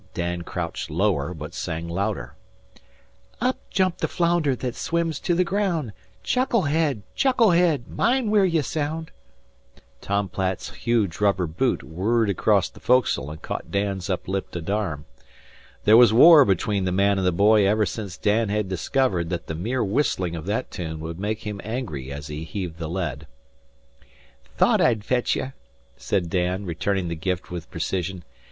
Dan crouched lower, but sang louder: "Up jumped the flounder that swims to the ground. Chuckle head! Chuckle head! Mind where ye sound!" Tom Platt's huge rubber boot whirled across the foc'sle and caught Dan's uplifted arm. There was war between the man and the boy ever since Dan had discovered that the mere whistling of that tune would make him angry as he heaved the lead. "Thought I'd fetch yer," said Dan, returning the gift with precision.